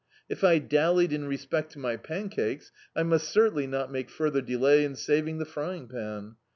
If I dallied in respect to my pancakes, I must certainly not make further de lay in saving the frying pan.